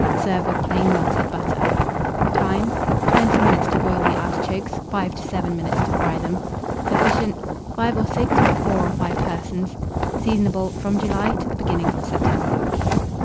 Serve with plain melted butter. Time. 20 minutes to boil the artichokes, 5 to 7 minutes to fry them. Sufficient, 5 or 6 for 4 or 5 persons. Seasonable from July to the beginning of September.